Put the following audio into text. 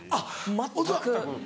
全く。